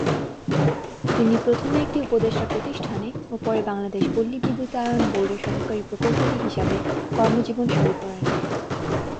তিনি প্রথমে একটি উপদেষ্টা প্রতিষ্ঠানে ও পরে বাংলাদেশ পল্লী বিদ্যুতায়ন বোর্ডে সহকারী প্রকৌশলী হিসাবে কর্ম জীবন শুরু করেন।